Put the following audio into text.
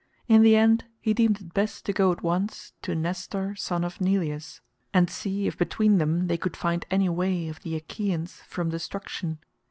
In the end he deemed it best to go at once to Nestor son of Neleus, and see if between them they could find any way of the Achaeans from destruction.